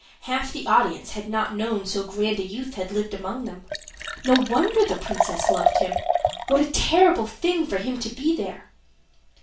Half the audience had not known so grand a youth had lived among them. No wonder the princess loved him! What a terrible thing for him to be there!